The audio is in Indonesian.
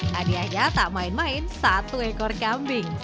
hadiahnya tak main main satu ekor kambing